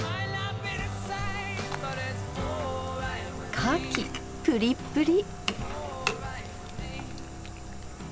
かきプリップリ！